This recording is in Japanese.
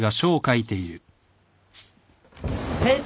先生！